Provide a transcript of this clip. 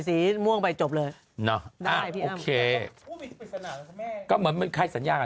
นี่นี่นี่นี่นี่นี่